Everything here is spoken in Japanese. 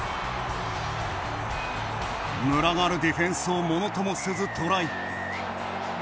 群がるディフェンスをものともせず、トライ。